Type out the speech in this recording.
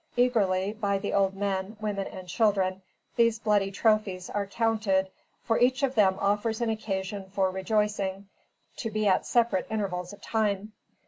Eagerly, by the old men, women, and children, these bloody trophies are counted, for each of them offers an occasion for rejoicing, to be at separate intervals of time.